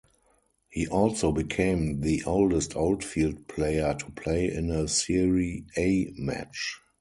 He also became the oldest outfield player to play in a Serie A match.